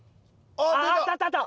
あああったあったあった！